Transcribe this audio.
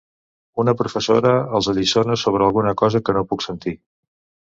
Una professora els alliçona sobre alguna cosa que no puc sentir.